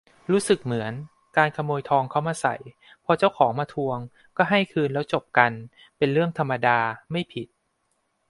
รู้สึกเหมือน การขโมยทองเขามาใส่ พอเจ้าของมาทวงก็ให้คืนแล้วจบกันเป็นเรื่องธรรมดา ไม่ผิด